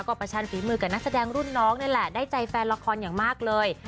ก็ประชันฝีมือกับนักแสดงรุ่นน้องนี่แหละได้ใจแฟนละครอย่างมากเลย